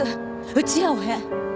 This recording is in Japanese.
うちやおへん。